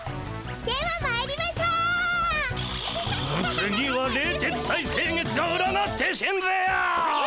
次は冷徹斎星月が占ってしんぜよう。